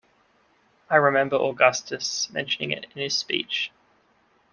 I remember Augustus mentioning it in his speech.